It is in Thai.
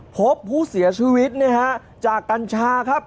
พบผู้เสียชีวิตนะฮะจากกัญชาครับ